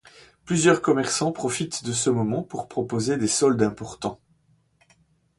Plusieurs commerçants profitent de ce moment pour proposer des soldes importants.